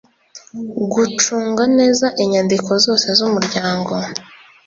gucunga neza inyandiko zose z’umuryango ;